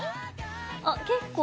あっ結構。